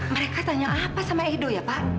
mereka tanya apa sama edo ya pak